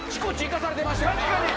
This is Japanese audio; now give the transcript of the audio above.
確かに！